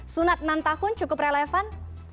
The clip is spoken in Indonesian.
sunat enam tahun cukup relevan